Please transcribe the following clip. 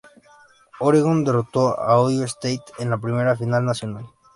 Oregon derrotó a Ohio State en la primera final nacional.